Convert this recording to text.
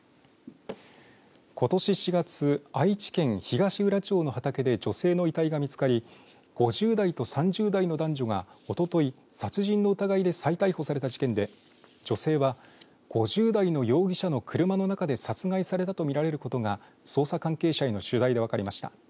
ことし４月愛知県東浦町の畑で女性の遺体が見つかり５０代と３０代の男女がおととい殺人の疑いで再逮捕された事件で、女性は５０代の容疑者の車の中で殺害されたと見られることが捜査関係者への取材で分かりました。